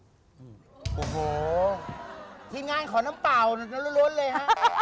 โอ้โหทีมงานขอน้ำเปล่าล้วนเลยฮะ